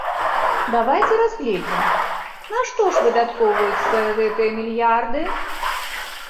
Давайце разгледзім, на што ж выдаткоўваюцца гэтыя мільярды?